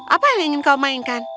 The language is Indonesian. apa yang ingin kau mainkan